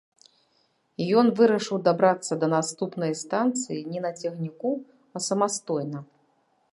Ён вырашыў дабрацца да наступнай станцыі не на цягніку, а самастойна.